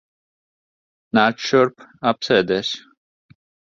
Nāc šurp. Apsēdies.